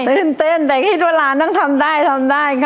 ตื่นเต้นแต่คิดว่าหลานต้องทำได้ทำได้ค่ะ